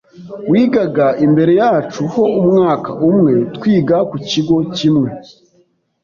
wigaga imbere yacu ho umwaka umwe, twiga ku kigo kimwe.